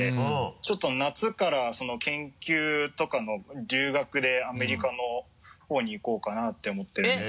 ちょっと夏からその研究とかの留学でアメリカのほうに行こうかなって思ってるんです。